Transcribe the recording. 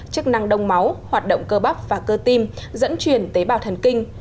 chức năng đông máu hoạt động cơ bắp và cơ tim dẫn chuyển tế bào thần kinh